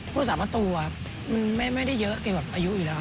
ผู้สามารถตัวไม่ได้เยอะกับอายุอีกแล้ว